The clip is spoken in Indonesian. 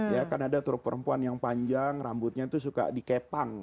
ya kan ada truk perempuan yang panjang rambutnya itu suka dikepang